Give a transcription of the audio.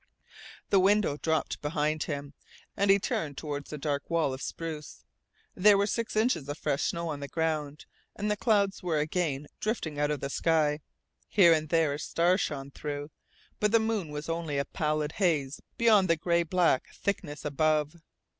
The window dropped behind him, and he turned toward the dark wall of spruce. There were six inches of fresh snow on the ground, and the clouds were again drifting out of the sky. Here and there a star shone through, but the moon was only a pallid haze beyond the gray black thickness above.